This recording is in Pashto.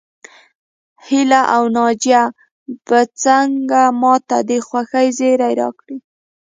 هيله او ناجيه به څنګه ماته د خوښۍ زيری راکړي